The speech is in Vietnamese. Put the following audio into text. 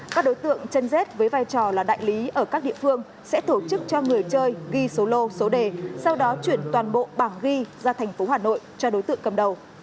các đối tượng chân rết với vai trò là đại lý ở các địa phương sẽ tổ chức cho người chơi ghi số lô số đề sau đó chuyển toàn bộ bảng ghi ra thành phố hà nội cho đối tượng cầm đầu